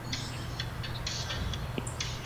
漪蛱蝶属是线蛱蝶亚科环蛱蝶族里的一属。